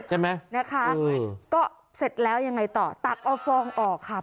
ใช่ไหมคะก็เสร็จแล้วยังไงต่อตักเอาฟองออกค่ะ